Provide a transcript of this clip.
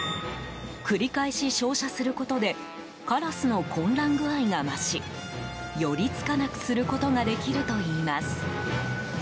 繰り返し照射することでカラスの混乱具合が増し寄り付かなくすることができるといいます。